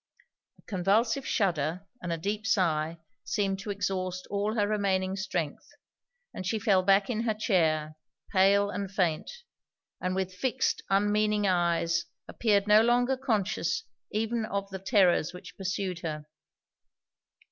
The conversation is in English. A convulsive shudder and a deep sigh seemed to exhaust all her remaining strength, and she fell back in her chair, pale and faint; and with fixed, unmeaning eyes, appeared no longer conscious even of the terrors which pursued her.